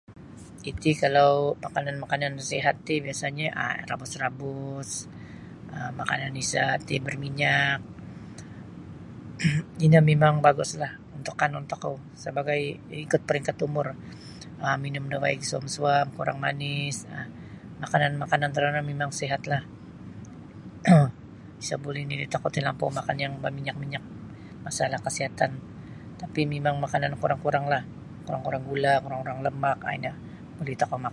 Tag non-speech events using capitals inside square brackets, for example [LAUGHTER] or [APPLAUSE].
Iti kalau makanan-makanan sihat ti biasa'nyo um rabus-rabus um makanan isa' ti barminyak [COUGHS] ino mimang baguslah untuk kanun tokou sabagai ikut paringkat umur um minum da waig suam-suam kurang manis um makanan-makanan torono mimang sihatlah [COUGHS] isa buli nini' tokou talampau makan yang berminyak-minyak masalah kasihatan tapi mimang makanan kurang-kuranglah kurang-kurang gula' kurang-kurang lemak ino buli tokou mak.